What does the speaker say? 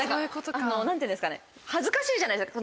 何て言うんですかね恥ずかしいじゃないですか。